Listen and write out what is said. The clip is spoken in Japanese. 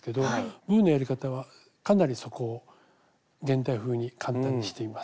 僕のやり方はかなりそこを現代風に簡単にしています。